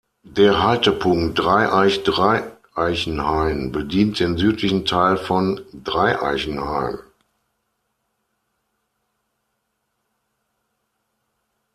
Der Haltepunkt "Dreieich-Dreieichenhain" bedient den südlichen Teil von Dreieichenhain.